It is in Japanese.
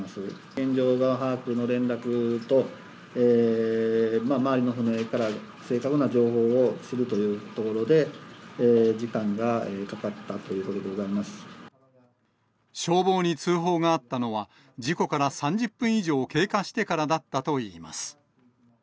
現状の把握の連絡と、周りの船から正確な情報を知るというところで、時間がかかったと消防に通報があったのは、事故から３０分以上経過してからだったといいます。